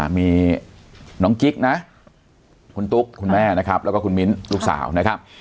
มีน้องกิ๊กนะคุณตุ๊กคุณแม่นะครับแล้วก็คุณมิ้นลูกสาวนะครับ